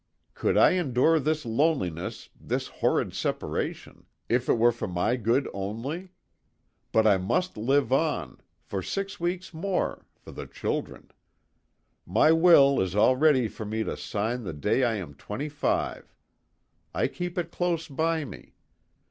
Could I endure this loneliness, this horrid separation, if it were for my good only ? But I must live on, for six weeks more, for the children. My will is all ready for me to sign the day I am twenty five. I keep it close by me.